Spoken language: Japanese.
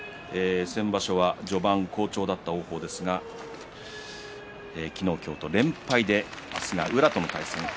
先場所、序盤好調だった王鵬ですが昨日、今日と連敗で明日は宇良との対戦。